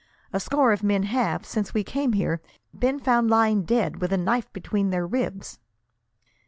A score of men have, since we came here, been found lying dead with a knife between their ribs."